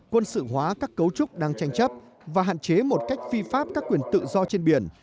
quân sự hóa các cấu trúc đang tranh chấp và hạn chế một cách phi pháp các quyền tự do trên biển